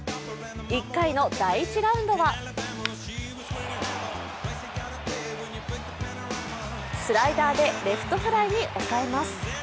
１回の第１ラウンドはスライダーでレフトフライに抑えます。